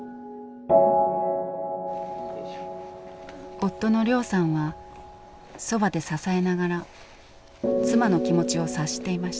夫のりょうさんはそばで支えながら妻の気持ちを察していました。